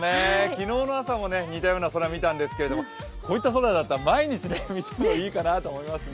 昨日の朝も似たような空を見たんですけど、こういった空だったら毎日見てもいいかなと思いますね。